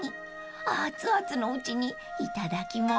［アツアツのうちにいただきます］